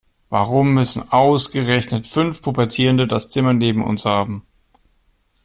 Warum müssen ausgerechnet fünf Pubertierende das Zimmer neben uns haben?